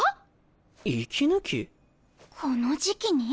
この時期に？